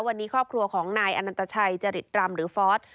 วันนี้ครอบครัวของนายอนันตชัยจริตรำหรือฟอส